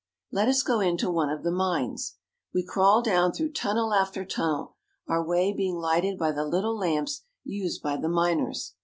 Let us go into one of the mines. We crawl down through tunnel after tunnel, our way being lighted by the little lamps used by the miners.